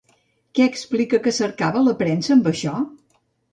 Què explica que cercava la premsa amb això?